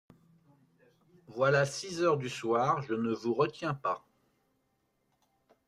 Voilà six heures du soir, je ne vous retiens pas